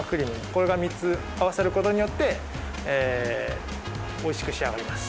これが３つ合わさる事によって美味しく仕上がります。